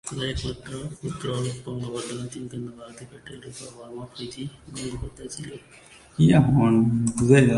তাদের একমাত্র পুত্র অরূপ গঙ্গোপাধ্যায় এবং তিন কন্যা ভারতী প্যাটেল, রূপা বর্মা ও প্রীতি গঙ্গোপাধ্যায় ছিল।